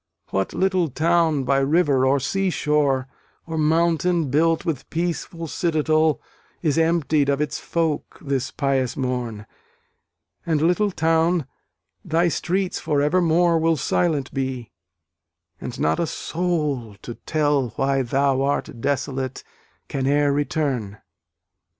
What little town by river or sea shore, Or mountain built with peaceful citadel, Is emptied of its folk, this pious morn? And, little town, thy streets for evermore Will silent be; and not a soul to tell Why thou art desolate, can e'er return.